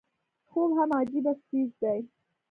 خوب هم عجيبه څيز دی